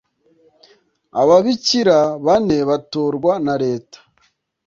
ababikira bane batorwa na leta